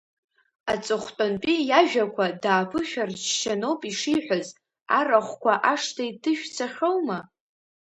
Аҵыхәтәантәи иажәақәа дааԥышәарччаноуп ишиҳәаз, арахәқәа ашҭа иҭышәцахьоума?